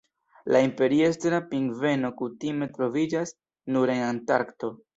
La Imperiestra pingveno kutime troviĝas nur en Antarkto.